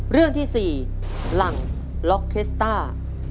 เรื่องที่๔หลังล็อกเคสต้า